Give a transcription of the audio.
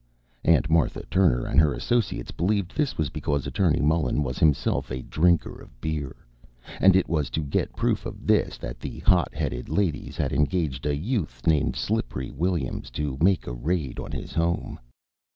Aunt Martha Turner and her associates believed this was because Attorney Mullen was himself a drinker of beer, and it was to get proof of this that the hot headed ladies had engaged a youth named Slippery Williams to make a raid on his home.